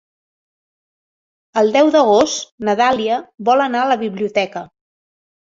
El deu d'agost na Dàlia vol anar a la biblioteca.